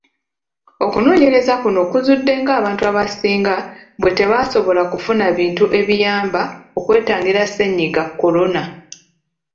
Okunoonyereza kuno kuzudde ng'abantu abasinga bwe tebasobola kufuna bintu ebiyamba okwetangira Ssennyiga Corona.